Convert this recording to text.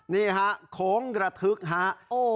นี้ครับโค้งวนทุกครับ